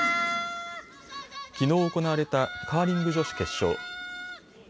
きのう行われたカーリング女子決勝。